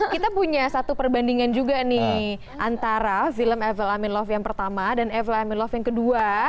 kita punya satu perbandingan juga nih antara film evel amin love yang pertama dan evel amin love yang kedua